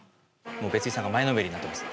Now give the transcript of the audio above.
もう別井さんが前のめりになってます。